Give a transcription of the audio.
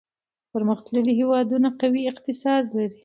پرمختللي هېوادونه قوي اقتصاد لري.